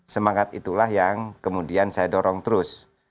semangat itulah yang kemudian saya dorong terus